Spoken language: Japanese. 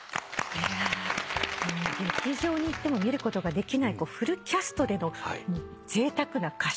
いやもう劇場に行っても見ることができないフルキャストでのぜいたくな歌唱。